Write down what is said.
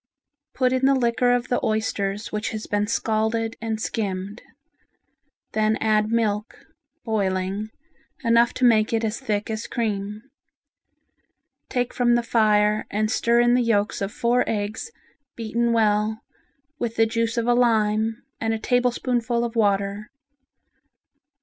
Put in the liquor of the oysters which has been scalded and skimmed. Then add milk (boiling) enough to make it as thick as cream. Take from the fire and stir in the yolks of four eggs beaten well with the juice of a lime and a tablespoonful of water.